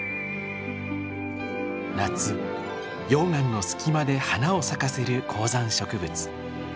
夏溶岩の隙間で花を咲かせる高山植物。